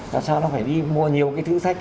tại sao nó phải đi mua nhiều cái thứ sách